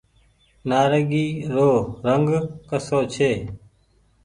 نآريگي رو رنگ ڪسو ڇي۔